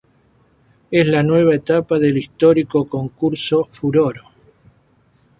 Es la nueva etapa del histórico concurso "Furor".